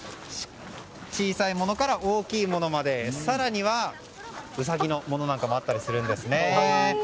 小さいものから大きいものまで更にはウサギのものなんかもあったりするんですね。